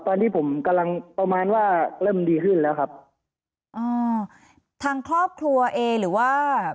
ตอนที่ผมกำลังประมาณว่าเริ่มดีขึ้นแล้วครับอ่าทางครอบครัวเองหรือว่า